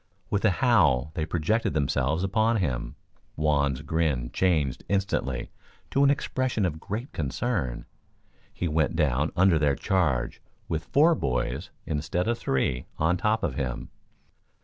With a howl they projected themselves upon him. Juan's grin changed instantly to an expression of great concern. He went down under their charge, with four boys, instead of three, on top of him.